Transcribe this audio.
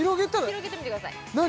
広げてみてください何？